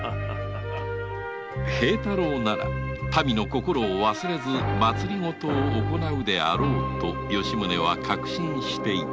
平太郎なら民の心を忘れず政を行うであろうと吉宗は確信していた